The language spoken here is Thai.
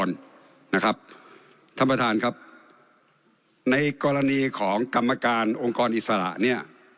ท่านประธานครับในกรณีของกรรมการองค์กรอิสระเนี่ย